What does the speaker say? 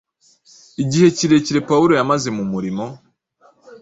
Igihe kirekire Pawulo yamaze mu murimo,